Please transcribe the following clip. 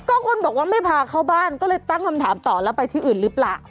ก็คนบอกว่าไม่พาเข้าบ้านก็เลยตั้งคำถามต่อแล้วไปที่อื่นหรือเปล่า